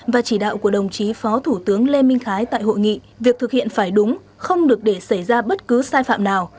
và chỉ đạo của đồng chí phó thủ tướng lê minh khái tại hội nghị việc thực hiện phải đúng không được để xảy ra bất cứ sai phạm nào